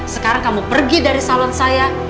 sekarang kamu pergi dari salon saya